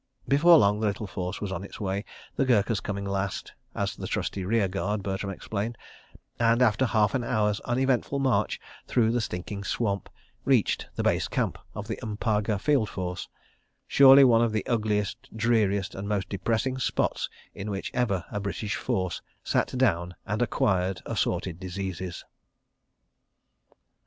Before long the little force was on its way, the Gurkhas coming last—as the trusty rear guard, Bertram explained—and, after half an hour's uneventful march through the stinking swamp, reached the Base Camp of the M'paga Field Force—surely one of the ugliest, dreariest and most depressing spots in which ever a British force sat down and acquired assorted diseases.